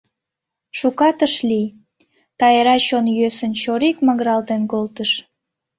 Шукат ыш лий — Тайра чон йӧсын чорик магыралтен колтыш.